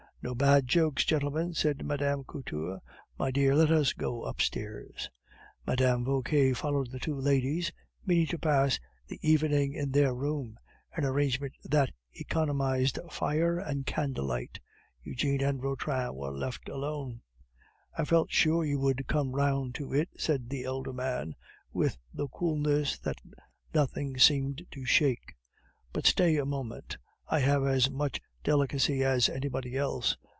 "No bad jokes, gentlemen!" said Mme. Couture. "My dear, let us go upstairs." Mme. Vauquer followed the two ladies, meaning to pass the evening in their room, an arrangement that economized fire and candlelight. Eugene and Vautrin were left alone. "I felt sure you would come round to it," said the elder man with the coolness that nothing seemed to shake. "But stay a moment! I have as much delicacy as anybody else.